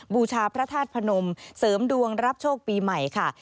บูชาพระธาตุพนมเสริมดวงรับโชคปีใหม่ค่ะ